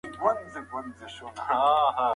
یخ به ویلي سي.